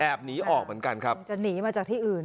หนีออกเหมือนกันครับจะหนีมาจากที่อื่น